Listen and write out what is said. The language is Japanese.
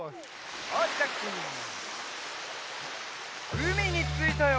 うみについたよ！